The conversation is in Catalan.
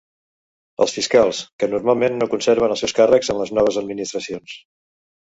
Els fiscals, que normalment no conserven els seus càrrecs en les noves administracions.